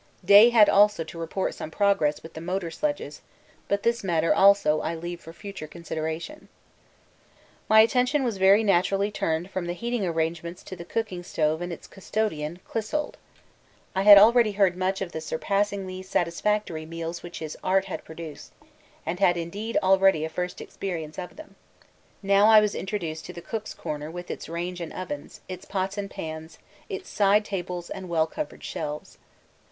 Day had also to report some progress with the motor sledges, but this matter also I leave for future consideration. My attention was very naturally turned from the heating arrangements to the cooking stove and its custodian, Clissold. I had already heard much of the surpassingly satisfactory meals which his art had produced, and had indeed already a first experience of them. Now I was introduced to the cook's corner with its range and ovens, its pots and pans, its side tables and well covered shelves.